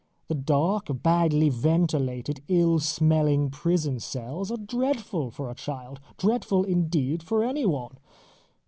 The dark, badly ventilated, ill smelling prison cells are dreadful for a child, dreadful indeed for anyone.